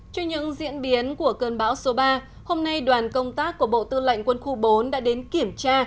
trên những diễn biến của cơn bão số ba hôm nay đoàn công tác của bộ tư lệnh quân khu bốn đã đến kiểm tra